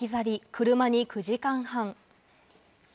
車に９時間半。